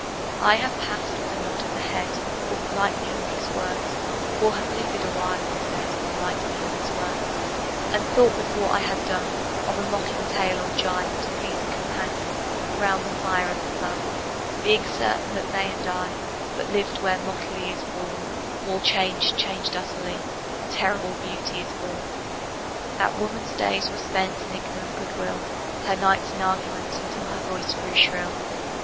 I have passed with a nod of the head Or polite meaningless words, Or have lingered awhile and said Polite meaningless words, And thought before I had done Of a mocking tale or a gibe To please a companion Around the fire at the club, Being certain that they and I But lived where motley is worn: All changed, changed utterly: A terrible beauty is born. That woman's days were spent In ignorant good will, Her nights in argument Until her voice grew shrill.